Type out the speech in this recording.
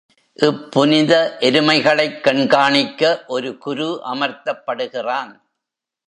இப்புனித எருமைகளைக் கண்காணிக்க ஒரு குரு அமர்த்தப்படுகிறான்.